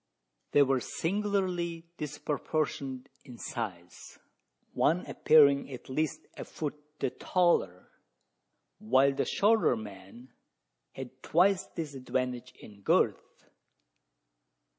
They were singularly disproportioned in size: one appearing at least a foot the taller, while the shorter man had twice this advantage in girth!